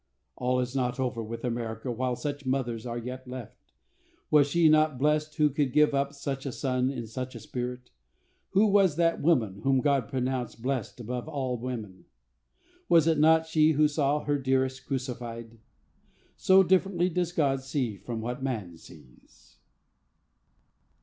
All is not over with America while such mothers are yet left. Was she not blessed who could give up such a son in such a spirit? Who was that woman whom God pronounced blessed above all women? Was it not she who saw her dearest crucified? So differently does God see from what man sees.